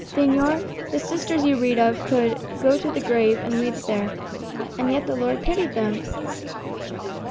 Señor, the sisters you read of could 'go to the grave and weep there.' And yet the Lord pitied them."